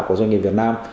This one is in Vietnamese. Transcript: của doanh nghiệp việt nam